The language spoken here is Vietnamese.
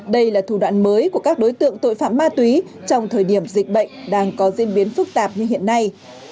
đây là thủ đoạn mới của các đối tượng tội phạm ma túy trong thời điểm dịch bệnh đang có diễn biến phức tạp như hiện nay